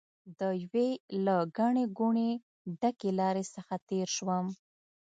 د یوې له ګڼې ګوڼې ډکې لارې څخه تېر شوم.